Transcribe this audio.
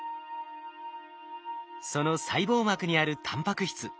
その細胞膜にあるタンパク質。